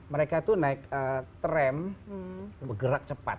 mereka itu naik tram bergerak cepat